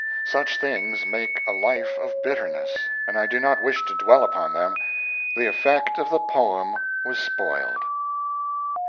Such things make a life of bitterness, and I do not wish to dwell upon them. The effect of the poem was spoiled.